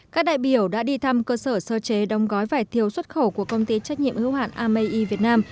các đại biểu đã đi thăm cơ sở sơ chế đông gói vải thiếu xuất khẩu của công ty trách nhiệm hữu hạn amai việt nam